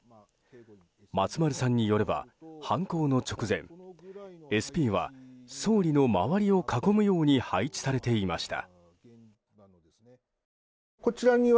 松丸さんによれば、犯行の直前ＳＰは総理の周りを囲むように配置されていました。